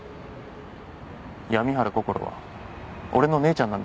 闇原こころは俺の姉ちゃんなんで。